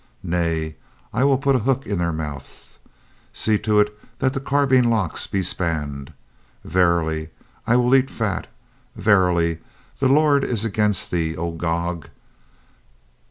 Nay, I will put a hook in their mouths. See to it that the carbine locks be spanned. Verily, I will eat fat. Verily, the Lord is against thee, oh Gog."